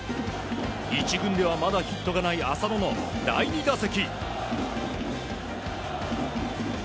１軍ではまだヒットがない浅野の第２打席。